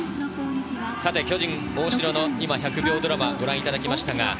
巨人・大城の１００秒ドラマをご覧いただきました。